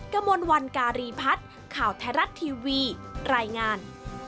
กระมวลวันการีพัฒน์ข่าวไทยรัฐทีวีรายงาน